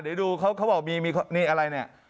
เดี๋ยวดูเขาบอกมีอะไรเนี่ย